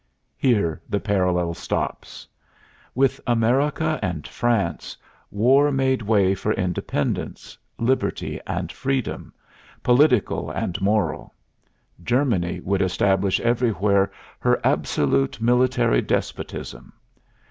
Here the parallel stops. With America and France, war made way for independence, liberty and freedom, political and moral; Germany would establish everywhere her absolute military despotism.